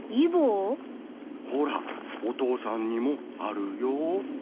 ほらお父さんにもあるよ。